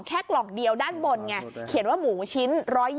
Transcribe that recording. แค่กล่องเดียวด้านบนไงเขียนว่าหมูชิ้น๑๒๐